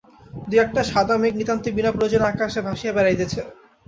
দুই-একটা সাদা মেঘ নিতান্তই বিনা প্রয়োজনে আকাশে ভাসিয়া বেড়াইতেছে।